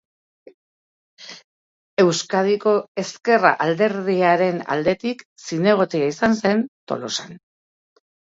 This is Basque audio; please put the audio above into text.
Euskadiko Ezkerra alderdiaren aldetik zinegotzia izan zen Tolosan.